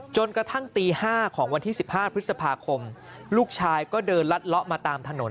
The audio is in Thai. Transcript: จนกระทั่งตี๕ของวันที่๑๕พฤษภาคมลูกชายก็เดินลัดเลาะมาตามถนน